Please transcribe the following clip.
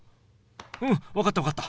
うん分かった分かった。